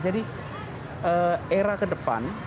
jadi era ke depan